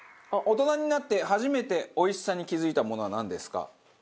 大人になって初めておいしさに気付いたものはなんですか？